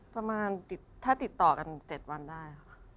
ประมาณถ้าติดต่อกัน๗วันได้ค่ะ